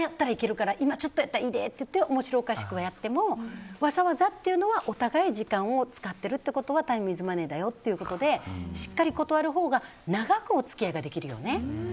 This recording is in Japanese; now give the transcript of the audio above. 今ちょっとやったらいいでって面白おかしくはやってもわざわざはお互い、時間を使っているということはタイムイズマネーだよということでしっかり断るほうが長くお付き合いができるよね。